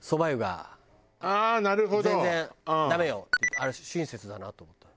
あの人親切だなと思った。